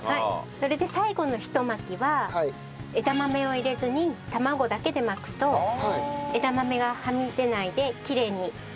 それで最後のひと巻きは枝豆を入れずに卵だけで巻くと枝豆がはみ出ないできれいに巻けます。